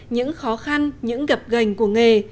những khó khăn những gặp gành của nghề